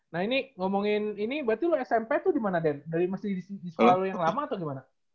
nah ini ngomongin ini berarti lu smp itu dimana den masih di sekolah lo yang lama atau gimana